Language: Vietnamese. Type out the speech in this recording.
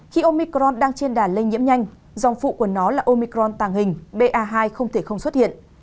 khi omicron đang trên đà lây nhiễm nhanh dòng phụ của nó là omicron tàng hình ba hai không thể không xuất hiện